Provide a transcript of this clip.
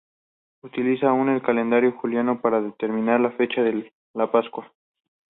Utilizan aún el calendario juliano para determinar la fecha de la Pascua.